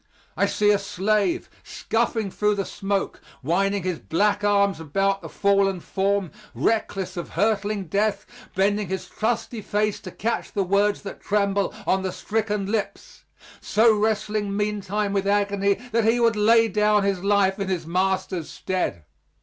I see a slave, scuffing through the smoke, winding his black arms about the fallen form, reckless of hurtling death bending his trusty face to catch the words that tremble on the stricken lips, so wrestling meantime with agony that he would lay down his life in his master's stead.